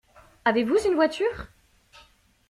Avez-vous une voiture?